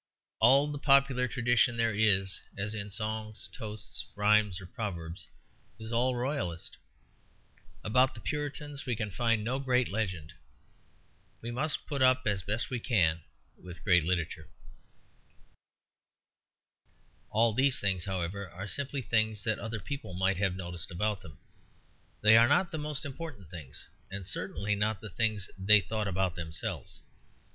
All the popular tradition there is, as in songs, toasts, rhymes, or proverbs, is all Royalist. About the Puritans we can find no great legend. We must put up as best we can with great literature. All these things, however, are simply things that other people might have noticed about them; they are not the most important things, and certainly not the things they thought about themselves.